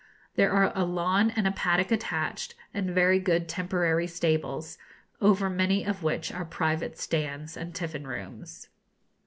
There are a lawn and a paddock attached, and very good temporary stables, over many of which are private stands and tiffin rooms.